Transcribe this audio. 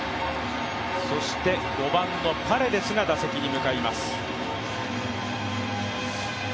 そして５番のパレデスが打席に向かいます。